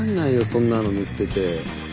そんなの塗ってて。